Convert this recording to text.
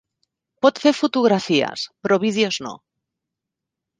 Pot fer fotografies, però vídeos no.